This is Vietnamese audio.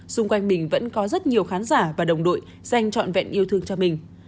xung quanh mình vẫn có rất nhiều khán giả và đồng đội dành trọn vẹn yêu thương cho mình